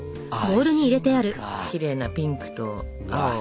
きれいなピンクと青。